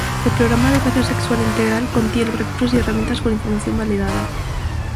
El Programa de Educación Sexual Integral contiene recursos y herramientas con información validada.